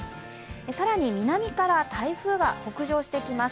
更に南から台風が北上してきます。